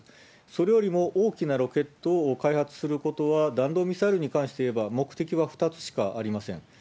それよりも大きなロケットを開発することは、弾道ミサイルに関していえば、目的は２つしかありません。